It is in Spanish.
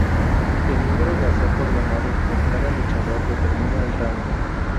El número de asaltos ganados por cada luchador determina el rango.